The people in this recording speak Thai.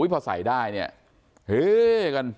พอใส่ได้เนี่ยเฮกัน